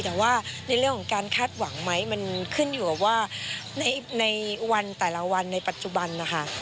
แต่ว่าในเรื่องของการคาดหวังไหมมันขึ้นอยู่กับว่าในวันแต่ละวันในปัจจุบันนะคะ